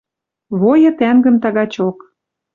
Войы тӓнгӹм тагачок...» —